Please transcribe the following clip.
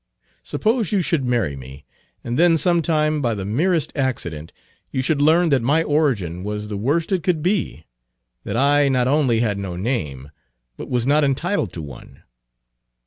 Suppose you should marry me, and then some time, by the merest accident, you should learn that my origin was the worst it could be that I not only had no name, but was not entitled to one."